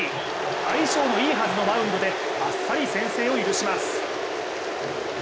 相性のいいはずのマウンドであっさり先制を許します。